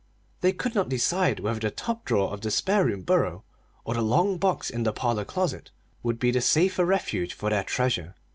They could not decide whether the top drawer of the spare room bureau or the long box in the parlor closet would be the safer refuge for their treasure.